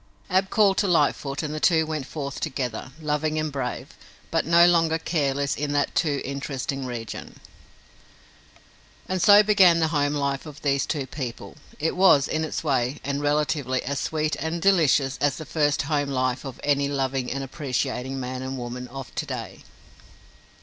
Ab called to Lightfoot and the two went forth together, loving and brave, but no longer careless in that too interesting region. And so began the home life of these two people. It was, in its way and relatively, as sweet and delicious as the first home life of any loving and appreciating man and woman of to day.